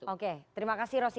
oke terima kasih rosiko